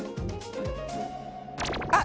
あっ！